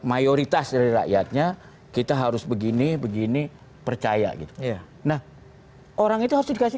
mayoritas dari rakyatnya kita harus begini begini percaya gitu ya nah orang itu harus dikasih